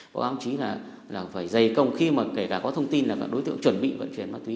báo cáo chính là phải dày công khi mà kể cả có thông tin là đối tượng chuẩn bị vận chuyển ma túy